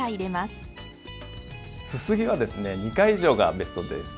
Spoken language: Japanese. すすぎはですね２回以上がベストです。